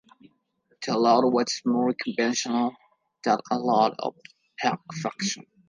The look was more conventional than a lot of punk fashion.